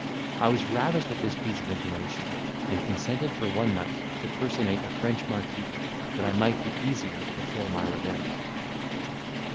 I was ravished at this piece of information, and consented for one night, to personate a French marquis, that I might the easier fulfil my revenge.